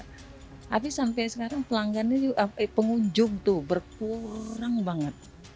tapi sampai sekarang pengunjung tuh berkurang banget